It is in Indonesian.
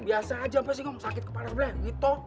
biasa aja apa sih ngomong sakit kepala sebelah gitu